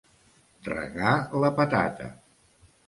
Regar la patata.